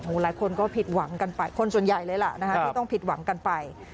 หลายคนก็ผิดหวังกันไปคนส่วนใหญ่เลยล่ะนะฮะที่ต้องผิดหวังกันไป